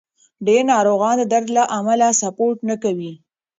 ډېر ناروغان د درد له امله سپورت نه کوي.